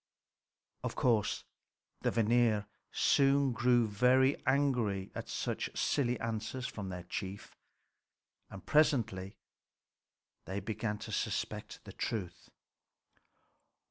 Of course the Vanir soon grew very angry at such silly answers from their chief, and presently they began to suspect the truth.